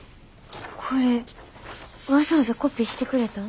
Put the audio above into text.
これわざわざコピーしてくれたん？